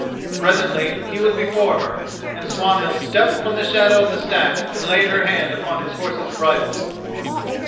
Presently he was before her, and Swanhild stepped from the shadow of the stack and laid her hand upon his horse's bridle.